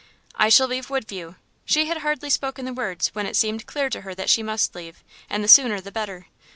"I shall leave Woodview." She had hardly spoken the words when it seemed clear to her that she must leave, and the sooner the better.